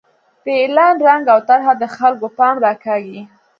د اعلان رنګ او طرحه د خلکو پام راکاږي.